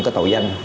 cái tội danh